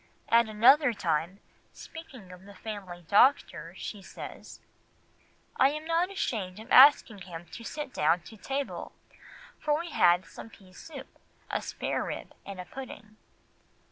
At another time, speaking of the family doctor, she says— "I was not ashamed of asking him to sit down to table, for we had some pease soup, a sparerib, and a pudding."